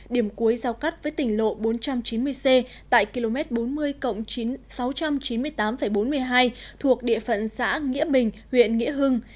điểm cuối giao cắt với tỉnh lộ bốn trăm chín mươi c tại km bốn mươi sáu trăm chín mươi tám bốn mươi hai thuộc địa phận xã nghĩa bình huyện nghĩa hưng